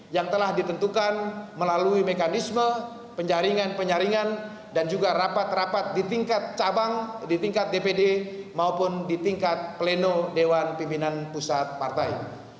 yang telah ditentukan melalui mekanisme penjaringan penyaringan dan juga rapat rapat di tingkat cabang di tingkat dpd maupun di tingkat pleno dewan pimpinan pusat partai